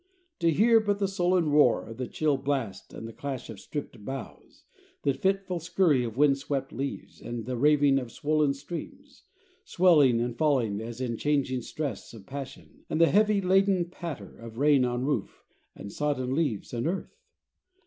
To hear but the sullen roar of the chill blast and the clash of stripped boughs, the fitful scurry of wind swept leaves and the raving of swollen streams, swelling and falling as in changing stress of passion, and the heavy leaden patter of rain on roof and sodden leaves and earth?